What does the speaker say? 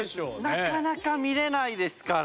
なかなか見れないですから。